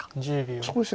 そうですね。